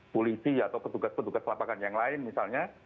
polisi atau petugas petugas lapangan yang lain misalnya